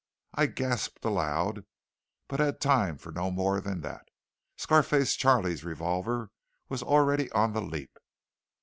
I gasped aloud, but had time for no more than that; Scar face Charley's revolver was already on the leap.